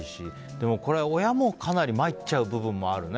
でもこれは親もかなり参っちゃう部分もあるね。